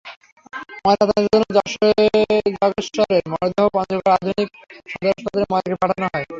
ময়নাতদন্তের জন্য যগেশ্বরের মরদেহ পঞ্চগড় আধুনিক সদর হাসপাতালের মর্গে পাঠানো হয়।